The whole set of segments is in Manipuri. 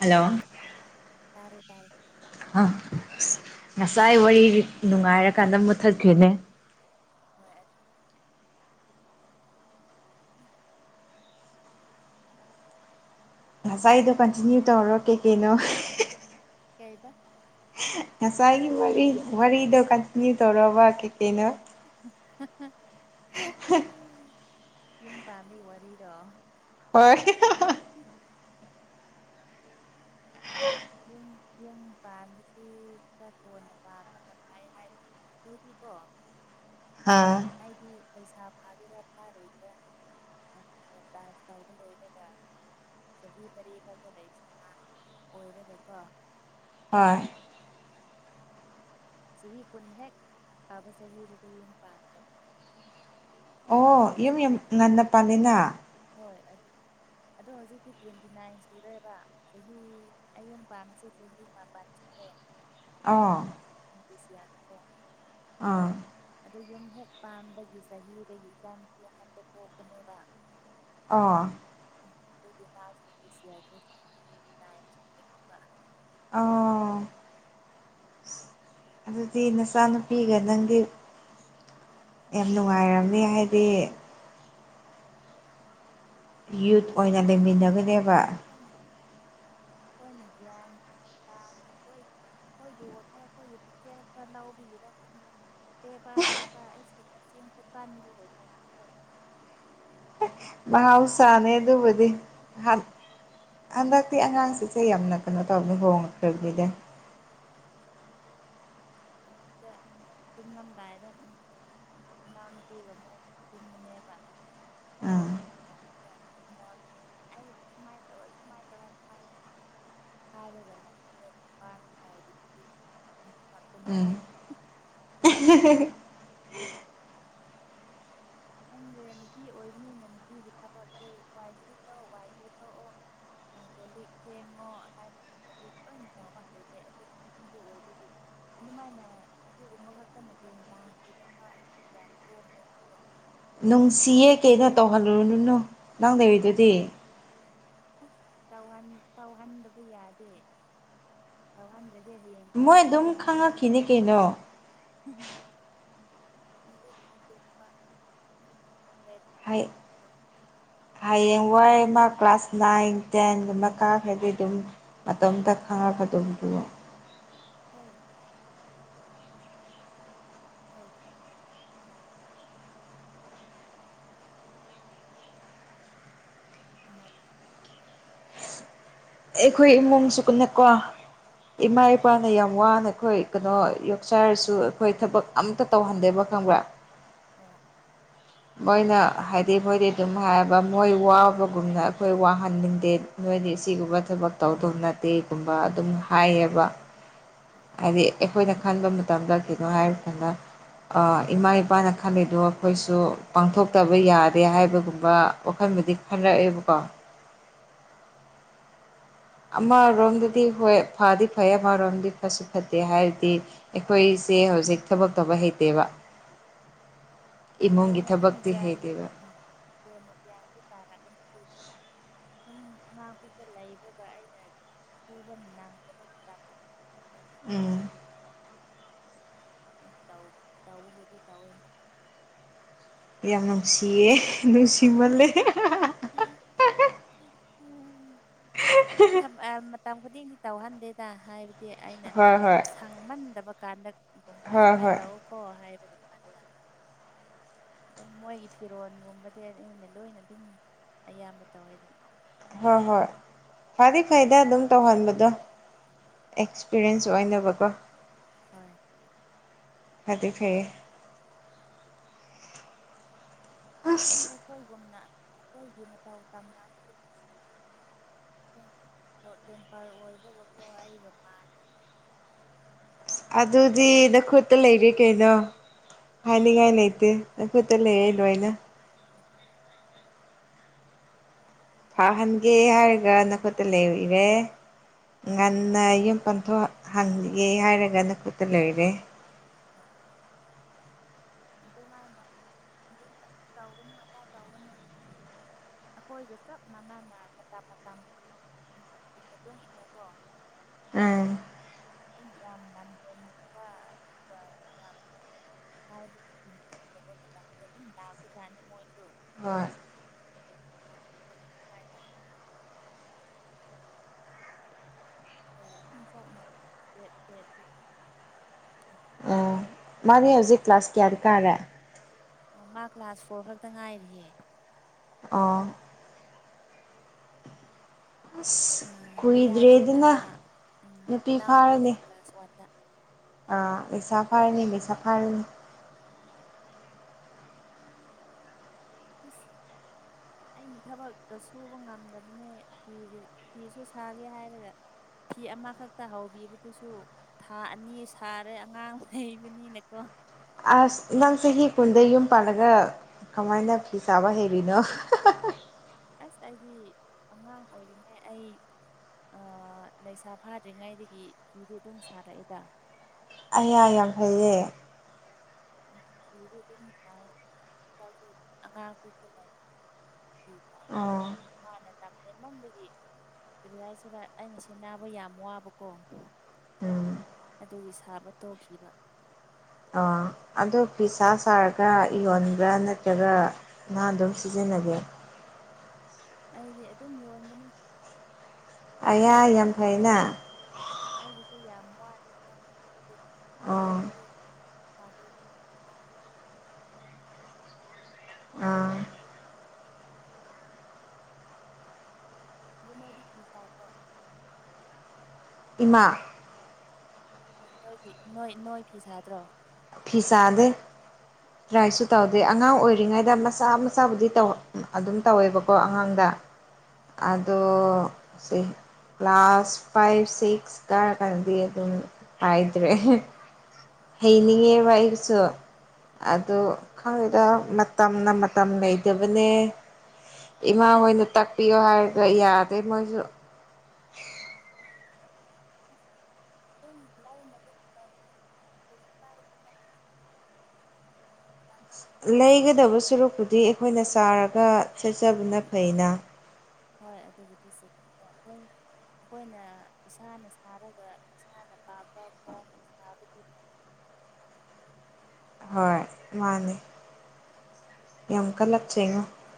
ꯍꯜꯂꯣ ꯇꯥꯔꯦ ꯇꯥꯔꯦ ꯍ ꯉꯁꯥꯏ ꯋꯥꯔꯤ ꯅꯨꯡꯉꯥꯏꯔꯀꯥꯟꯗ ꯃꯨꯠꯊꯠꯈ꯭ꯔꯤꯅꯦ ꯍꯣꯏ ꯑꯗꯨ ꯉꯁꯥꯏ ꯗꯣ ꯀꯟꯇꯤꯅ꯭ꯌꯨ ꯇꯧꯔꯣ ꯀꯦ ꯀꯩꯅꯣ ꯀꯩꯕ ꯉꯁꯥꯏꯒꯤ ꯋꯥꯔꯤ ꯋꯥꯔꯤꯗꯣ ꯀꯟꯇꯤꯅ꯭ꯌꯨ ꯇꯧꯔꯣꯕ ꯀꯩꯀꯩꯅꯣ [unintelligible] ꯌꯨꯝ ꯄꯥꯟꯕꯩ ꯋꯥꯔꯤꯔꯣ ꯍꯣꯏ ꯌꯨꯝ ꯌꯨꯝ ꯄꯥꯟꯕꯁꯤ ꯈꯔ ꯀꯣꯟꯅ ꯄꯥꯟꯕ ꯑꯈꯣꯏꯗꯤꯀꯣ ꯍꯥ ꯂꯩꯩꯁꯥ ꯐꯥꯒꯦꯔꯥ ꯐꯥꯔꯣꯏꯗꯔꯥ ꯇꯥꯁ ꯇꯧꯕ ꯂꯣꯏꯔꯒ ꯆꯍꯤ ꯃꯔꯤ ꯈꯛꯇ ꯂꯩꯁꯥ ꯑꯣꯏꯔꯒꯀꯣ ꯍꯣꯏ ꯆꯍꯤ ꯀꯨꯟ ꯍꯦꯛ ꯐꯥꯕ ꯆꯍꯤꯗꯨꯗꯤ ꯌꯨꯝ ꯄꯥꯟꯈꯔꯃꯦ ꯑꯣ ꯌꯨꯝ ꯌꯥꯝ ꯉꯟꯅ ꯄꯥꯜꯂꯤꯅ ꯍꯣꯏ ꯑꯗꯨ ꯑꯗꯣ ꯍꯧꯖꯤꯛꯇꯤ ꯇ꯭ꯋꯦꯟꯇꯤ ꯅꯥꯏꯟ ꯁꯨꯔꯦꯕ ꯆꯍꯤ ꯑꯩ ꯌꯨꯝ ꯄꯥꯝꯕꯁꯦ ꯆꯍꯤ ꯃꯥꯄꯜ ꯁꯨꯔꯦ ꯑꯥꯎ ꯃꯤꯗꯤꯁꯤꯌꯥꯅꯀꯣ ꯑꯗꯣ ꯌꯨꯝ ꯍꯦꯛ ꯄꯥꯝꯕꯒꯤ ꯆꯍꯤꯗꯒꯤ ꯏꯆꯥꯅꯨꯄꯤ ꯑꯍꯥꯟꯗꯣ ꯄꯣꯛꯄꯅꯦꯕ ꯑꯣ ꯑꯗꯨꯒꯤ ꯃꯥꯁꯨ ꯄꯤꯁꯤꯌꯔ ꯁꯦ ꯆꯍꯤ ꯅꯥꯏꯟ ꯁꯨꯔꯦꯕ ꯑꯣꯎ ꯑꯗꯨꯗꯤ ꯅꯆꯥꯅꯨꯄꯤꯒ ꯅꯪꯗꯤ ꯌꯥꯝ ꯅꯨꯡꯉꯥꯏꯔꯝꯅꯤ ꯍꯥꯏꯗꯤ ꯌꯨꯠ ꯑꯁ ꯑꯣꯏꯅ ꯂꯩꯃꯤꯟꯅꯕꯅꯦꯕ ꯍꯣꯏꯅꯦ ꯒ꯭ꯌꯥꯟ ꯃꯥꯟ ꯇꯥꯗꯦ ꯈꯣꯏ ꯑꯩꯈꯣꯏꯒꯤ ꯋꯥꯈꯜ ꯈꯣꯏꯒꯤ ꯄꯨꯆꯦꯜ ꯈꯔ ꯅꯧꯕꯒꯤꯔꯥ ꯈꯪꯗꯦ ꯄꯦꯄꯥ ꯄꯦꯄꯥ ꯏꯁ ꯃꯆꯤꯟ ꯈꯨꯀꯟꯗꯨꯒ ꯀꯩꯅꯣꯝ ꯇꯧꯋꯦ ꯃꯥꯥꯍꯥꯎꯁꯥꯅꯦ ꯑꯗꯨꯕꯗꯤ ꯑꯍꯟ ꯍꯟꯗꯛꯇꯤ ꯑꯉꯥꯡꯁꯤꯡꯁꯦ ꯌꯥꯝꯅ ꯀꯩꯅꯣ ꯇꯧꯕꯅꯤ ꯍꯣꯡꯉꯛꯈ꯭ꯔꯕꯅꯤꯗ ꯍꯧꯖꯤꯛꯇ ꯇꯨꯝꯃꯝꯗꯥꯏꯗ ꯏꯅꯥꯎꯅꯨꯄꯤꯒ ꯃꯣꯏ ꯇꯨꯝꯕꯅꯦꯕ ꯑꯥ ꯑꯗꯨꯒ ꯏꯅꯥꯎ ꯅꯨꯄꯤꯅ ꯑꯩ ꯁꯨꯃꯥꯏ ꯇꯧꯔ ꯁꯨꯃꯥꯏ ꯇꯧꯏ ꯍꯥꯏꯔꯒ ꯂꯩꯌꯦ ꯅꯨꯄꯥꯅ ꯁꯥꯎꯔꯗꯤ ꯅꯨꯄꯤꯁꯨ ꯑꯅꯤꯃꯛ ꯇꯨꯝꯗ꯭ꯔꯦ ꯎꯝ [unintelligible] ꯅꯪꯁꯦ ꯅꯨꯄꯤ ꯑꯣꯏꯕꯅꯤꯅ ꯅꯨꯄꯤꯒꯤ ꯊꯕꯛꯇꯤ ꯋꯥꯏ ꯁꯤꯠꯂꯣ ꯋꯥꯏ ꯇꯩꯊꯣꯛꯑꯣ ꯀꯣꯜꯂꯤꯛ ꯐꯦꯡꯉꯣ ꯍꯥꯏꯕꯒꯨꯝꯕꯗꯤ ꯂꯣꯏꯅ ꯇꯧꯕ ꯍꯩꯔꯦ ꯑꯗꯨ ꯑꯗꯨ ꯑꯣꯏꯕꯗꯤ ꯑꯗꯨꯃꯥꯏꯅ ꯑꯁꯤꯒꯨꯝꯕ ꯈꯛꯇ ꯃꯇꯦꯡ ꯄꯥꯡ ꯄꯤꯕ ꯑꯩ ꯌꯥꯝ ꯀꯣꯝꯃꯦꯕꯀꯣ ꯅꯨꯡꯁꯤꯌꯦ ꯀꯩꯅꯣ ꯇꯧꯍꯜꯂꯨꯔꯨꯅꯨ ꯅꯪ ꯑꯁ ꯂꯩꯔꯤꯗꯨꯗꯤ ꯑꯁ ꯇꯧꯍꯟ ꯇꯧꯍꯟꯗꯕ ꯌꯥꯗꯦ ꯇꯧꯍꯟꯗ꯭ꯔ ꯃꯣꯏ ꯗꯨꯨꯝ ꯈꯪꯉꯛꯈꯤꯅꯤ ꯀꯩꯅꯣ [unintelligible] ꯍꯣꯏ ꯑꯗꯨꯝ ꯇꯧ ꯍꯌꯦꯡ ꯋꯥꯏ ꯃ ꯀ꯭ꯂꯥꯁ ꯅꯥꯏꯟ ꯇꯦꯟꯒꯨꯝꯕ ꯀꯥꯈ꯭ꯔꯗꯤ ꯑꯗꯨꯝ ꯃꯇꯣꯝꯇ ꯈꯪꯉꯛ ꯑꯗꯨꯝꯕꯨ ꯍꯣꯏ [unintelligible] [unintelligible] ꯑꯩꯈꯣꯏ ꯏꯃꯨꯡꯁꯨ ꯀꯅꯦꯀꯣ ꯏꯃꯥ ꯏꯄꯥꯅ ꯌꯥꯝ ꯋꯥꯅ ꯑꯩꯈꯣꯏ ꯀꯩꯅꯣ ꯌꯣꯛꯆꯥꯔꯁꯨ ꯑꯩꯈꯣꯏ ꯊꯕꯛ ꯑꯝꯇ ꯇꯧꯍꯟꯗꯦꯕ ꯈꯪꯕ꯭ꯔ ꯑꯣ ꯃꯣꯏꯅ ꯍꯥꯏꯗꯤ ꯃꯣꯏꯗꯤ ꯑꯗꯨꯝ ꯍꯥꯏꯕ ꯃꯣꯏ ꯋꯥꯕꯒꯨꯝꯅ ꯑꯩꯈꯣꯏ ꯋꯥꯍꯟꯅꯤꯡꯗꯦ ꯅꯣꯏꯗꯤ ꯁꯤꯒꯨꯝꯕ ꯊꯕꯛ ꯇꯧꯗꯧ ꯅꯠꯇꯦꯒꯨꯝꯕ ꯑꯗꯨꯝ ꯍꯥꯏꯌꯦꯕ ꯍꯣꯏ ꯍꯥꯏꯗꯤ ꯑꯩꯈꯣꯏꯅ ꯈꯟꯕ ꯃꯇꯝꯗ ꯀꯩꯅꯣ ꯍꯥꯏꯔꯀꯥꯟꯗ ꯑ ꯏꯃꯥ ꯏꯄꯥꯅ ꯈꯜꯂꯤꯗꯨꯣ ꯑꯩꯈꯣꯏꯁꯨ ꯄꯥꯡꯊꯣꯛꯇꯕ ꯌꯥꯗꯦ ꯍꯥꯏꯕꯒꯨꯝꯕ ꯋꯥꯈꯜ ꯕꯨꯗꯤ ꯈꯜꯂꯛꯑꯦꯕꯀꯣ ꯑꯗꯨꯅꯦ ꯍꯣꯏ ꯑꯃꯔꯣꯝꯗꯗꯤ ꯍꯣꯏ ꯐꯥꯗꯤ ꯐꯩ ꯑꯃꯔꯣꯝꯗꯤ ꯐꯠꯁꯨ ꯐꯠꯇꯦ ꯍꯥꯏꯔꯗꯤ ꯑꯩꯈꯣꯏꯁꯦ ꯍꯧꯖꯤꯛ ꯊꯕꯛ ꯇꯧꯕ ꯍꯩꯇꯦꯕ [inaudible] ꯑꯗꯨꯅꯦ ꯑꯗꯨꯝ ꯊꯕꯛꯇꯤ ꯒ꯭ꯌꯥꯟ ꯍꯩꯇꯦꯕ ꯎꯝ ꯀꯣꯟꯅ ꯒ꯭ꯌꯥꯟꯗꯨ ꯇꯥꯔꯛꯀꯅꯤ ꯑꯗꯨ [inaudible] ꯁꯨꯝ ꯑꯉꯥꯡꯄꯤꯛꯄ ꯂꯩꯕꯒ ꯑꯩꯅ ꯁꯨꯕ ꯅꯪꯗꯕ ꯃꯇꯝꯗ ꯇꯧ ꯁꯨꯃꯥꯏꯅ ꯎꯝ ꯎꯝ ꯇꯧ ꯇꯧꯕꯕꯨꯗꯤ ꯇꯧꯑꯦ ꯃꯣꯏꯁꯨ ꯌꯥꯝ ꯑꯗꯨꯕꯨ ꯅꯨꯡꯁꯤꯌꯦ ꯅꯨꯡꯁꯤꯃꯜꯂꯦ ꯑꯗꯨꯝ ꯊꯝ ꯑ ꯃꯇꯝ ꯈꯨꯗꯤꯡꯗꯤ ꯇꯧꯍꯟꯗꯦꯗ ꯍꯥꯏ ꯗꯤ ꯑꯩꯅ ꯍꯣꯏ ꯍꯣꯏ ꯁꯪꯃꯟꯗꯕ ꯀꯥꯟꯗꯒꯨꯝꯕ ꯍꯣꯏ ꯁꯨꯃꯥꯏꯅ ꯍꯣꯏ ꯇꯧꯀꯣ ꯍꯥꯏꯕ [unintelligible] [inaudible] ꯃꯣꯏꯒꯤ ꯐꯤꯔꯣꯟꯜꯒꯨꯝꯕꯗꯤ ꯑꯩꯅ ꯂꯣꯏꯅ ꯑꯗꯨꯝ ꯑꯌꯥꯝꯕ ꯇꯧꯋꯦꯗꯅꯣ ꯍꯣꯏ ꯍꯣꯏ ꯐꯗꯤ ꯐꯩꯗ ꯑꯗꯨꯝ ꯇꯧꯍꯟꯕꯗꯣ ꯑꯦꯛꯁꯄꯤꯔꯤꯌꯦꯟꯁ ꯑꯣꯏꯅꯕꯀꯣ ꯍꯣꯏ ꯐꯗꯤ ꯐꯩꯑꯦ ꯑꯁ ꯈꯪꯗ꯭ꯔꯦ ꯑꯩꯈꯣꯏꯒꯨꯝꯅ ꯑꯩꯈꯣꯏꯒꯤ ꯃꯇꯧ ꯇꯝꯃꯛꯑꯗꯤ ꯍꯣꯏ ꯍꯣꯠ ꯇꯦꯝꯄꯔ ꯑꯣꯏꯕꯒꯀꯣ ꯑꯩꯒ ꯃꯥꯟꯅꯗꯤ ꯑꯗꯨꯗꯤ ꯅꯈꯨꯠꯇ ꯂꯩꯔꯦ ꯀꯩꯅꯣ ꯍꯥꯏꯅꯤꯡꯉꯥꯏ ꯂꯩꯇꯦ ꯅꯈꯨꯠꯇ ꯂꯩꯔꯦ ꯂꯣꯏꯅ ꯐꯍꯟꯒꯦ ꯍꯥꯏꯔꯒ ꯅꯈꯨꯠꯇ ꯂꯩꯔꯦ ꯉꯟꯅ ꯌꯨꯝ ꯄꯟꯊꯣꯛꯍꯟꯒꯦ ꯍꯥꯏꯔꯒ ꯅꯀꯨꯠꯇ ꯂꯩꯔꯦ ꯍꯣꯏ ꯑꯗꯨꯃꯥꯏꯅ ꯑꯗꯨꯝ ꯑꯗꯨ ꯇꯧꯒꯅꯨ ꯑꯗꯥ ꯇꯧꯒꯅꯣꯅ ꯍꯥꯏꯔꯗꯤ ꯑꯩꯈꯣꯏꯒ ꯆꯞ ꯃꯥꯟꯅꯅ ꯃꯇꯝ ꯃꯇꯝ ꯎꯝ ꯃꯇꯨꯡ ꯏꯟꯅꯀꯣ ꯑꯥ ꯌꯥꯝ ꯅꯝꯃꯦ ꯅꯨꯄꯥ ꯑꯗꯨꯒ ꯌꯥꯝ ꯅꯝ ꯍꯥꯢꯕꯗꯤ ꯏꯗꯕ ꯃꯇꯝꯗ ꯑꯗꯨꯝ ꯂꯥꯛꯄꯖꯥꯠꯅꯤ ꯃꯣꯏꯁꯨ ꯍꯣꯏ [unintelligible] [unintelligible] ꯃꯥꯅꯦ ꯍꯧꯖꯤꯛ ꯀ꯭ꯂꯥꯁ ꯀ꯭ꯌꯥ ꯀꯥꯔꯦ ꯑꯣ ꯃꯥ ꯀ꯭ꯂꯥꯁ ꯐꯣꯔ ꯈꯛꯇ ꯉꯥꯏꯔꯤꯌꯦ ꯑꯣ ꯑꯁ ꯑꯥ ꯃꯌꯥꯏꯗꯨꯅ ꯀꯨꯏꯗ꯭ꯔꯦꯗꯅ ꯎꯝ ꯅꯨꯄꯤ ꯐꯥꯔꯅꯤ ꯃꯅꯥꯎꯅꯨꯄꯤꯗꯨꯅ ꯀ꯭ꯂꯥꯁ ꯋꯥꯟꯗ ꯑꯥ ꯂꯩꯁꯥ ꯐꯔꯦꯅꯦ ꯂꯩꯁꯥ ꯐꯔꯦꯅꯦ [inaudible] [inaudible] ꯑꯩꯅ ꯊꯕꯛ ꯇ ꯁꯨꯕ ꯉꯝꯗꯕꯅꯦ ꯐꯤꯒ ꯐꯤꯁꯨ ꯁꯥꯒꯦ ꯍꯥꯏꯔꯒ ꯐꯤ ꯑꯃꯈꯛꯇ ꯍꯧꯕꯤꯕꯗꯨꯁꯨ ꯊꯥ ꯑꯅꯤ ꯁꯥꯔꯦ ꯑꯉꯥꯡ ꯂꯩꯕꯅꯤꯅꯀꯣ ꯑꯁ ꯅꯪ ꯆꯍꯤ ꯀꯨꯟꯗ ꯌꯨꯝ ꯄꯜꯂꯒ ꯀꯃꯥꯏꯅ ꯐꯤ ꯁꯥꯕ ꯍꯩꯔꯤꯅꯣ ꯑꯁ ꯑꯩꯗꯤ ꯑꯉꯥꯡ ꯑꯣꯏꯔꯤꯉꯩ ꯑꯩ ꯑꯩ ꯂꯩꯁꯥ ꯐꯥꯗ꯭ꯔꯤꯉꯩꯗꯒꯤ ꯐꯤꯗꯤ ꯑꯗꯨꯝ ꯁꯥꯔꯛꯑꯦꯗ ꯑꯩꯌꯥ ꯌꯥꯝ ꯐꯩꯌꯦ [unintelligible] ꯑꯉꯥꯡ ꯄꯤꯛꯄ ꯑꯣ [unintelligible] ꯕꯒꯤ ꯀꯔꯤ ꯍꯥꯏꯁꯤꯔ ꯑꯩꯅ ꯁꯤꯅꯥꯕ ꯌꯥꯝ ꯋꯥꯕꯀꯣ ꯎꯝ ꯑꯗꯨꯒꯤ ꯁꯥꯕ ꯇꯣꯛꯈꯤꯕ ꯑꯣ ꯑꯗꯨ ꯄꯤꯁꯥ ꯁꯥꯔꯒ ꯌꯣꯟꯕ꯭ꯔꯥ ꯅꯠꯇ꯭ꯔꯒ ꯅꯥ ꯑꯗꯨꯝ ꯁꯤꯖꯤꯟ ꯅꯒꯦ ꯑꯩꯗꯤ ꯑꯗꯨꯝ ꯌꯣꯟꯕꯅꯦ ꯑꯩꯒꯤ ꯑꯌꯥ ꯌꯥꯝ ꯑꯩꯒꯤꯁꯨ ꯐꯩꯅ ꯑꯩꯒꯤꯁꯨ ꯑꯣ [unintelligible] [unintelligible] ꯄꯩꯁꯥ [inaudible] [unintelligible] ꯏꯃꯥ ꯅꯣꯏꯗꯤ ꯅꯣꯏ ꯅꯣꯏ ꯐꯤ ꯁꯥꯗ꯭ꯔꯣ ꯐꯤ ꯁꯥꯗꯦ ꯇꯔꯥꯏꯁꯨ ꯇꯧꯗꯦ ꯑꯉꯥꯡ ꯑꯣꯏꯔꯤꯉꯩꯗ ꯃꯆꯥ ꯃꯆꯥꯕꯨꯗꯤ ꯇꯧ ꯑꯗꯨꯝ ꯇꯧꯋꯦꯕꯀꯣ ꯑꯉꯥꯡꯗ ꯑꯥꯗꯣ ꯁꯤ ꯀ꯭ꯂꯥꯁ ꯐꯥꯏꯚ ꯁꯤꯛꯁ ꯀꯔꯀꯥꯟꯗꯗꯤ ꯑꯗꯨꯝ ꯍꯥꯏꯗ꯭ꯔꯦ ꯍꯩꯅꯤꯉꯦꯕ ꯑꯩꯁꯨ ꯑꯗꯨ ꯈꯪꯗꯦꯗ ꯃꯇꯝꯅ ꯃꯇꯝ ꯂꯩꯇꯕꯅꯦ ꯏꯃꯥ ꯍꯣꯏꯅ ꯇꯥꯛꯄꯤꯌꯣ ꯍꯥꯏꯔꯒ ꯌꯥꯗꯦ ꯃꯣꯏꯁꯨ ꯑꯁ [unintelligible] ꯀꯩꯁꯨ ꯀꯥꯢꯗꯦꯗ ꯂꯩꯒꯗꯕ ꯁꯨꯔꯨꯛꯄꯨꯗꯤ ꯑꯩꯈꯣꯏꯅ ꯆꯥꯔꯒ ꯁꯦꯠꯆꯕꯅ ꯐꯩꯏꯅ ꯑꯗꯨꯕꯨꯗꯤ ꯍꯣꯏ ꯑꯩꯈꯣꯏꯅ ꯏꯁꯥꯅ ꯁꯥꯔꯒ ꯏꯁꯥꯅ ꯄꯥꯝꯕ ꯃꯑꯣꯡ ꯁꯥꯕꯗꯤ ꯂꯩ ꯍꯣꯏ ꯃꯥꯅꯦ ꯌꯥꯝ ꯃꯤꯅ ꯀꯂꯛꯆꯩꯉꯣ ꯁꯥꯕꯁꯦ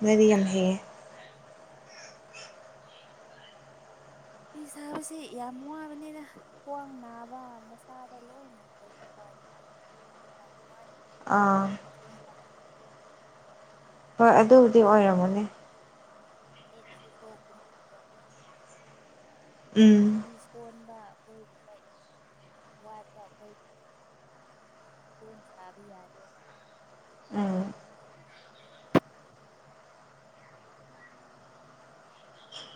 ꯅꯣꯏꯗꯤ ꯌꯥꯝ ꯍꯩꯌꯦ [unintelligible] ꯐꯤ ꯁꯥꯕꯁꯤ ꯌꯥꯝ ꯋꯥꯕꯅꯤꯗ ꯈ꯭ꯋꯥꯡ ꯅꯥꯕ ꯃꯁꯥꯗ ꯂꯣꯏꯅ ꯀꯩꯅꯣ ꯇꯧ [unintelligible] ꯃꯁꯥ ꯑꯥ ꯌꯥꯝ ꯁꯣꯟꯊꯕꯅꯤ ꯍꯣꯏ ꯑꯗꯨꯕꯨꯗꯤ ꯑꯣꯏꯔꯝꯒꯅꯤ [unintelligible] [unintelligible] ꯎꯝ ꯃꯤꯁꯣꯟꯕ [unintelligible] [unintelligible] ꯇꯣꯏꯅ ꯁꯥꯕ ꯌꯥꯗꯦꯕ ꯑꯥ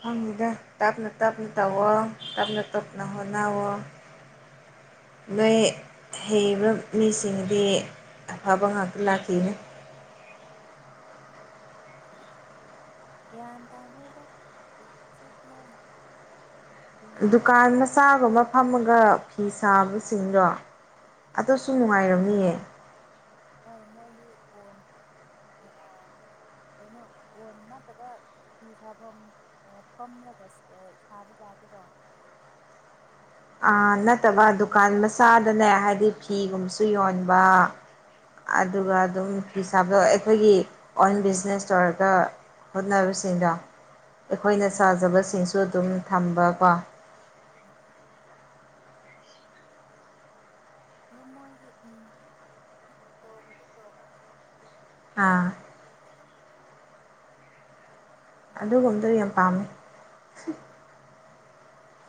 ꯈꯪꯗꯦꯗ ꯇꯞꯅ ꯇꯞꯅ ꯇꯧꯑꯣ ꯇꯞꯅ ꯇꯞꯅ ꯍꯣꯠꯅꯧꯑꯣ [unintelligible] ꯅꯣꯏ ꯍꯩꯕ ꯃꯤꯁꯤꯡꯗꯤ ꯑꯐꯕ ꯉꯥꯛꯇ ꯂꯥꯛꯈꯤꯒꯅꯤ [unintelligible] ꯒ꯭ꯌꯥꯟ ꯇꯥꯗꯦꯗ [unintelligible] ꯗꯨꯀꯥꯟ ꯃꯆꯥꯒꯨꯝꯕ ꯐꯝꯃꯒ ꯐꯤ ꯁꯥꯕꯁꯤꯡꯗꯣ ꯑꯗꯨꯁꯨ ꯅꯨꯡꯉꯥꯏꯔꯝꯅꯤꯌꯦ ꯍꯣꯏ ꯃꯣꯏꯒꯤ ꯀꯣꯟ ꯍꯦꯟꯅ ꯀꯩꯅꯣ ꯀꯣꯟ ꯅꯠꯇꯕ ꯐꯤ ꯁꯥꯐꯝ ꯑꯦ ꯐꯝꯂꯒ ꯁ ꯑꯦ ꯁꯥꯕꯒꯤ ꯌꯥꯗꯔꯣ [unintelligible] ꯑꯥ ꯅꯠꯇꯕ ꯗꯨꯀꯥꯟ ꯃꯆꯥꯗꯅꯦ ꯍꯥꯏꯗꯤ ꯐꯤꯒꯨꯝꯕꯁꯨ ꯌꯣꯟꯕ ꯑꯗꯨꯒ ꯑꯗꯨꯝ ꯐꯤ ꯁꯥꯥꯕꯗꯣ ꯑꯩꯈꯣꯏꯒꯤ ꯑꯣꯏꯟ ꯕꯤꯖꯤꯅꯦꯁ ꯇꯧꯔꯒ ꯍꯣꯠꯅꯕꯁꯤꯡꯗꯣ ꯑꯩꯈꯣꯏꯅ ꯑꯣ ꯆꯥꯖꯕꯁꯤꯡꯁꯨ ꯑꯗꯨꯝ ꯊꯝꯕꯀꯣ ꯍꯣꯏ ꯑꯗꯨ ꯃꯣꯏꯒꯤ ꯎꯝ ꯇꯣꯡꯗꯤ ꯇꯣꯡꯉꯅꯤ ꯑꯥ ꯑꯗꯨꯒꯨꯝꯕꯗꯨ ꯌꯥꯝ ꯄꯥꯝꯃꯦ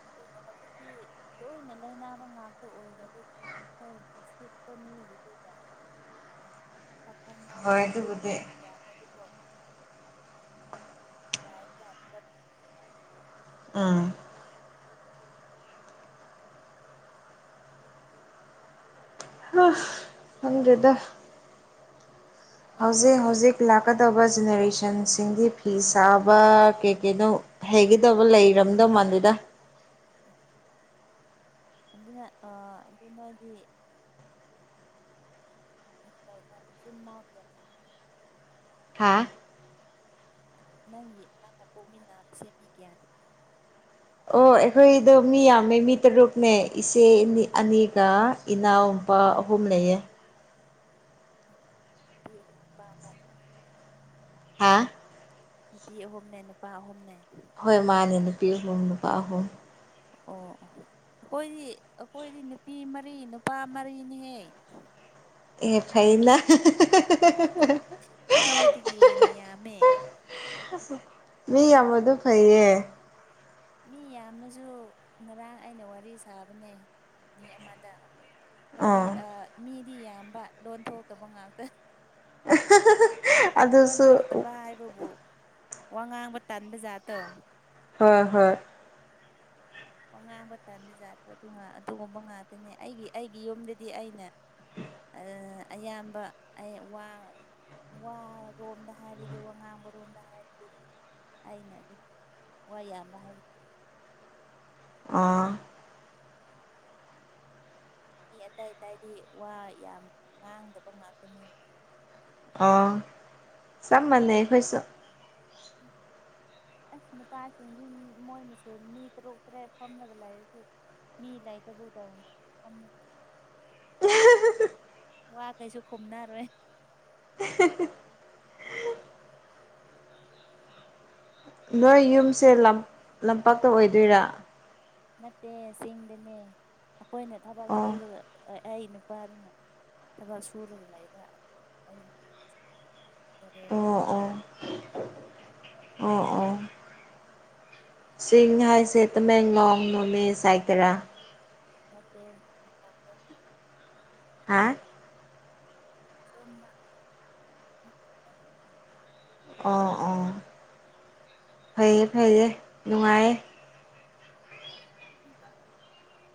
ꯑꯗꯨꯕꯨ ꯍꯧꯖꯤꯛꯇꯤ ꯂꯣꯏꯅ ꯂꯩꯥꯅꯕ ꯉꯥꯛꯇ ꯑꯣꯏꯔꯕꯒꯤ ꯍꯣꯏ ꯁꯤꯠꯄ ꯃꯤꯒꯤꯗꯤ ꯌꯥꯝ [unintelligible] [unintelligible] [unintelligible] [unintelligible] ꯍꯣꯏ ꯑꯗꯨꯕꯨꯗꯤ ꯅꯨꯡꯉꯥꯏꯕꯖꯥꯠꯅꯤꯗ ꯎꯝ ꯑꯁ ꯈꯪꯗꯦꯗ ꯑꯗꯣ ꯍꯧꯖꯤꯛ ꯍꯧꯖꯤꯛ ꯂꯥꯛꯀꯗꯕ ꯖꯦꯅꯦꯔꯦꯁꯟꯁ ꯁꯤꯡꯗꯤ ꯐꯤ ꯁꯥꯕ ꯀꯩ ꯀꯩꯅꯣ ꯍꯩꯒꯗꯕ ꯂꯩꯔꯝꯗꯧ ꯃꯥꯟꯗꯦꯗ ꯑꯗꯨꯅ ꯑꯥ ꯑꯗꯨ ꯅꯣꯏꯗꯤ [unintelligible] ꯍꯥꯥ ꯅꯪꯒꯤ ꯅꯪꯒ ꯄꯣꯛꯃꯤꯟꯅꯕꯁꯦ ꯃꯤ ꯀꯌꯥꯅꯤ ꯑꯣ ꯑꯩꯈꯣꯏꯗꯣ ꯃꯤ ꯌꯥꯝꯃꯦ ꯃꯤ ꯇꯔꯨꯛꯅꯦ ꯏꯆꯦ ꯏꯅꯤ ꯑꯅꯤꯒ ꯏꯅꯥꯎꯄꯥ ꯑꯍꯨꯝ ꯂꯩꯌꯦ ꯅꯨꯄꯤ ꯑꯍꯨꯝ ꯅꯨꯄꯥ ꯑꯍꯨꯝ ꯍꯥ ꯅꯨꯄꯤ ꯑꯍꯨꯝꯅꯦ ꯅꯨꯄꯥ ꯑꯍꯨꯝꯅꯦ ꯍꯣꯏ ꯃꯥꯅꯦ ꯅꯨꯄꯤ ꯑꯍꯨꯝ ꯅꯨꯄꯥ ꯑꯍꯨꯝ ꯑꯣ ꯑꯈꯣꯏꯗꯤ ꯑꯈꯣꯏꯗꯤ ꯅꯨꯄꯤ ꯃꯔꯤ ꯅꯨꯄꯥ ꯃꯔꯤꯅꯤꯍꯦ ꯑꯦ ꯐꯩꯅ ꯍꯥ ꯍꯥ ꯍꯥ ꯅꯣꯏꯗꯒꯤ ꯍꯦꯟꯅ ꯌꯥꯝꯃꯦ ꯃꯤ ꯌꯥꯝꯕꯗꯨ ꯐꯩꯌꯦ ꯃꯤ ꯌꯥꯝꯂꯖꯨ ꯉꯔꯥꯡ ꯑꯩꯅ ꯋꯥꯔꯤ ꯁꯥꯕꯅꯦ ꯃꯤ ꯑꯃꯗ ꯋꯥꯔꯤ ꯑꯥ ꯃꯤꯗꯤ ꯌꯥꯝꯕ ꯂꯣꯟ ꯊꯣꯛꯇꯕ ꯉꯥꯛꯇ ꯂꯣꯟ ꯑꯗꯨꯁꯨ ꯊꯣꯛꯇꯕ ꯍꯥꯏꯕꯕꯨ ꯋꯥ ꯉꯥꯡꯕ ꯇꯥꯟꯕ ꯖꯥꯠꯇꯣ ꯍꯣꯏ ꯍꯣꯏ ꯑꯣ ꯉꯥꯡꯕ ꯇꯟꯗꯖꯥꯠꯇ꯭ꯔꯗꯨ ꯉꯥ ꯑꯗꯨꯒꯨꯝꯕ ꯉꯥꯛꯇꯅꯦ ꯑꯩꯒꯤ ꯑꯩꯒꯤ ꯌꯨꯝꯗꯗꯤ ꯑꯩꯅ ꯑꯗꯨꯅ ꯑꯌꯥꯝꯕ ꯑꯩ ꯋꯥ ꯋꯥꯔꯣꯝꯗ ꯍꯥꯏꯔꯗꯤ ꯋꯥ ꯉꯥꯡꯕ ꯔꯣꯝꯗ ꯍꯥꯏꯔꯗꯤ ꯑꯩꯅ ꯑꯗꯨ ꯋꯥ ꯌꯥꯝꯕ ꯍꯥꯏꯔꯒ ꯑꯥ ꯃꯤ ꯑꯇꯩ ꯑꯇꯨꯗꯤ ꯋꯥ ꯌꯥꯝ ꯉꯥꯡꯗꯕ ꯉꯥꯛꯇꯅꯦ ꯑꯣ ꯆꯞ ꯃꯥꯟꯅꯩ ꯑꯩꯈꯣꯏꯁꯨ ꯑꯁ ꯅꯨꯄꯥꯁꯤꯡꯗꯤ ꯃꯣꯏ ꯃꯁꯦꯟ ꯃꯤ ꯇꯔꯨꯛ ꯇꯔꯦꯠ ꯐꯝꯂꯒ ꯂꯩꯔꯁꯨꯨ ꯃꯤꯂꯩꯇꯕꯨꯇꯧꯅ [unintelligible] [unintelligible] ꯋꯥ ꯀꯩꯁꯨ ꯈꯨꯝꯅꯔꯣꯏ ꯅꯣꯏ ꯌꯨꯝꯁꯦ ꯂꯝ ꯂꯝꯄꯥꯛꯇ ꯑꯣꯏꯗꯣꯏꯔꯥ ꯅꯠꯇꯦ ꯆꯤꯡꯗꯅꯦ ꯑꯩꯈꯣꯏꯅ ꯊꯕꯛ ꯑꯣ ꯁꯨꯔꯒ ꯑꯩ ꯅꯨꯄꯥꯗꯨꯅ ꯊꯕꯛ ꯁꯨꯔꯒ ꯂꯩꯕ ꯑꯗꯨꯒꯤ ꯑꯩꯒꯤ ꯇꯣꯔꯦꯟꯗ ꯑꯣ ꯂꯩ ꯑꯣ ꯑꯣ ꯑꯣ ꯆꯤꯡ ꯍꯥꯏꯁꯦ ꯇꯃꯦꯡꯂꯣꯡ ꯅꯣꯅꯦ ꯁꯥꯏꯠꯇꯔꯥ ꯅꯠꯇꯦ [unintelligible] ꯍꯥ [unintelligible] ꯑꯣ ꯑꯣ ꯐꯩꯌꯦ ꯐꯩꯌꯦ ꯅꯨꯡꯉꯥꯏꯌꯦ [inaudible]